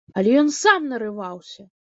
Але ён сам нарываўся!